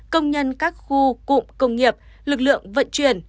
công nhân các khu cụm công nghiệp lực lượng vận chuyển